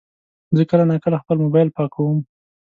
زه کله ناکله خپل موبایل پاکوم.